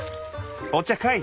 お茶かい！